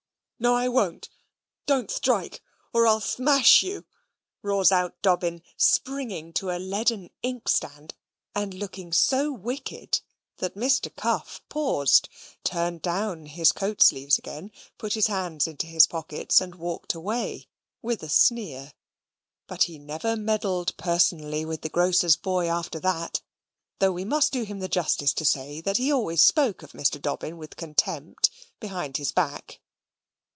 "No, I won't. Don't strike, or I'll THMASH you," roars out Dobbin, springing to a leaden inkstand, and looking so wicked, that Mr. Cuff paused, turned down his coat sleeves again, put his hands into his pockets, and walked away with a sneer. But he never meddled personally with the grocer's boy after that; though we must do him the justice to say he always spoke of Mr. Dobbin with contempt behind his back.